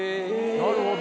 なるほど。